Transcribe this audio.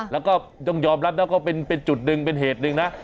แล้วก็ต้องยอมรับนะก็เป็นจุดหนึ่งเป็นเหตุหนึ่งนะ